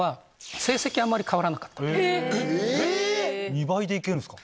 ２倍でいけるんすか！